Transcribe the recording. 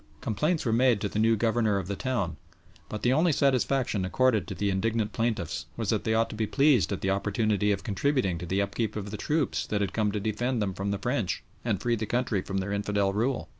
Complaints were made to the new Governor of the town, but the only satisfaction accorded to the indignant plaintiffs was that they ought to be pleased at the opportunity of contributing to the upkeep of the troops that had come to defend them from the French and free the country from their infidel rule.